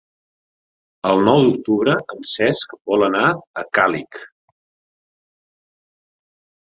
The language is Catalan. El nou d'octubre en Cesc vol anar a Càlig.